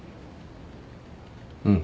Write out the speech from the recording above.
うん。